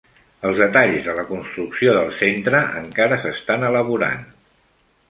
Els detalls de la construcció del centre encara s'estan elaborant